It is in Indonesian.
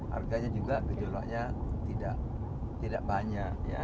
harganya juga kejualannya tidak tidak banyak